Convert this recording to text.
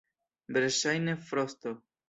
Verŝajne frosto.